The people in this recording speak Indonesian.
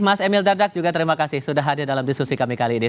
mas emil dardak juga terima kasih sudah hadir dalam diskusi kami kali ini